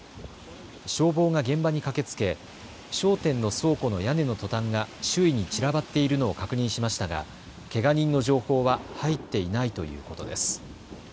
消防が現場に駆けつけ商店の倉庫の屋根のトタンが周囲に散らばっているのを確認しましたが、けが人の情報は入っていないということです。